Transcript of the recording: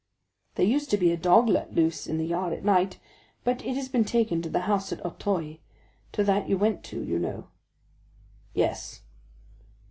"There used to be a dog let loose in the yard at night, but it has been taken to the house at Auteuil, to that you went to, you know." "Yes."